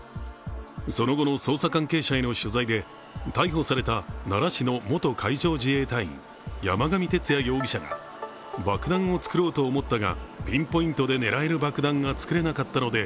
その後の捜査関係者への取材で逮捕された奈良市の元海上自衛隊員、山上徹也容疑者が爆弾を作ろうと思ったがピンポイントで狙える爆弾が作れなかったので